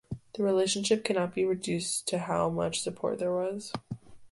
The relationship cannot be reduced to how much support there was.